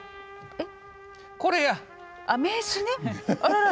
えっ？